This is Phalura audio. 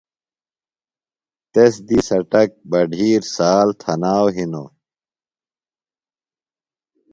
تس دی څٹک، بڈِھیر، سال، تھناؤ ہِنوۡ۔